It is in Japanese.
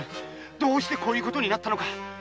どうしてこういうことになったのか。